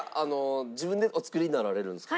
自分でお作りになられるんですか？